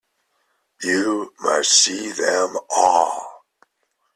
You must see them all.